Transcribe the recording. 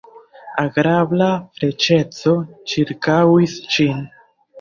Agrabla freŝeco ĉirkaŭis ŝin.